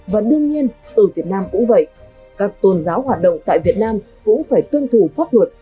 và đương nhiên ở việt nam cũng vậy các tôn giáo hoạt động tại việt nam cũng phải tuân thủ pháp luật